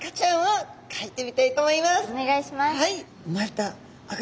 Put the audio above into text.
お願いします。